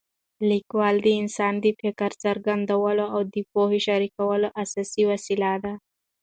لیکوالي د انسان د فکر څرګندولو او د پوهې شریکولو اساسي وسیله ده.